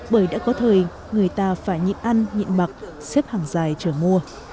bởi đã có thời người ta phải nhịn ăn nhịn mặc xếp hàng dài chờ mua